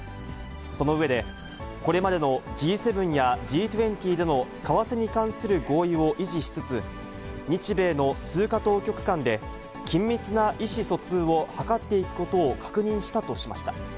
その上で、これまでのＧ７やＧ２０での為替に関する合意を維持しつつ、日米の通貨当局間で、緊密な意思疎通を図っていくことを確認したとしました。